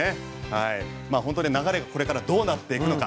本当に流れがこれからどうなっていくのか。